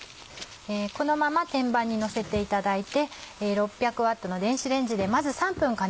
このまま天板にのせていただいて。